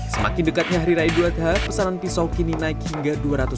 semakin dekatnya hari raya idul adha pesanan pisau kini naik hingga dua ratus